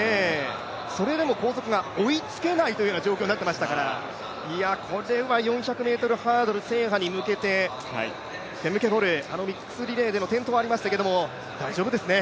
それでも後続が追いつけないという状況になっていましたからこれは４００ｍハードル制覇に向けてフェムケ・ボル、あのミックスリレーでの転倒がありましたけど大丈夫ですね。